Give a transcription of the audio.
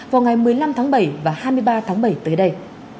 vào ngày một mươi năm tháng bảy và hai mươi ba tháng bảy tới đây